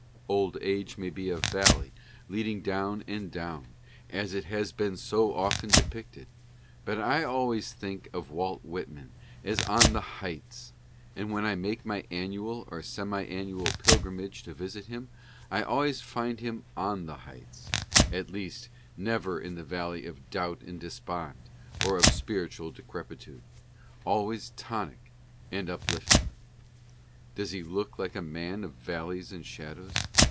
Old age may be a valley leading down and down, as it has been so often depicted, but I always think of Walt Whitman as on the heights, and when I make my annual or semi annual pilgrimage to visit him, I always find him on the heights — at least never in the valley of doubt and despond or of spiritual decrepitude — al ways tonic and uplifting. Does he look like a man of valleys and shadows